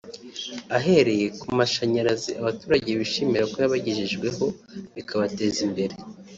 Ahereye no ku mashanyarazi abaturage bishimira ko yabagejejweho bikabateza imbere